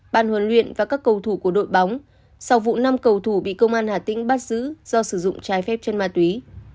bàn huấn luyện và các cầu thủ của đội bóng sau vụ năm cầu thủ bị công an hà tĩnh bắt giữ do sử dụng trái phép chân ma túy